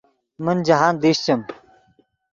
من جاہند دیشچیم